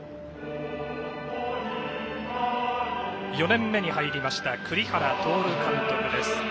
４年目に入りました栗原徹監督です。